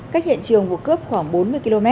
cách hiện trường vụ cướp khoảng bốn mươi km